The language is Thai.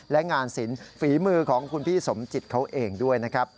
และงานศิลปฝีมือของคุณพี่สมจิตเขาเองด้วยนะครับ